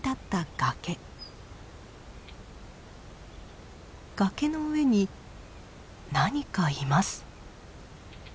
崖の上に何かいます。